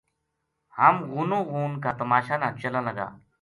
ہم غونو غون کا تماشا نا چلاں لگا‘‘